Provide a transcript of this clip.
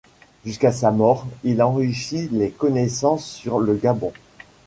Jusqu'à sa mort, il enrichit les connaissances sur le Gabon.